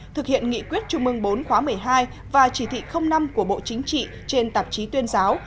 thực hiện nghị quyết trung ương bốn khóa một mươi hai và chỉ thị năm của bộ chính trị trên tạp chí tuyên giáo